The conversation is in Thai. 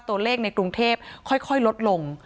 ตัวเลขในกรุงเทพค่อยลดลง